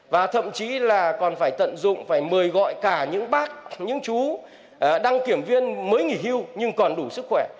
và thậm chí là còn phải tận dụng phải mời gọi cả những bác những chú đăng kiểm viên mới nghỉ hưu nhưng còn đủ sức khỏe